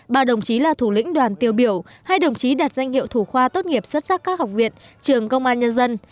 ba đồng chí là thủ lĩnh đoàn tiêu biểu hai đồng chí đạt danh hiệu thủ khoa tốt nghiệp xuất sắc các học viện trường công an nhân dân